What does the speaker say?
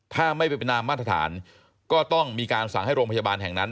ถ้าไม่เป็นไปตามมาตรฐานก็ต้องมีการสั่งให้โรงพยาบาลแห่งนั้น